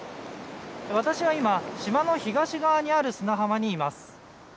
私は今、島の東側にある砂浜にいます。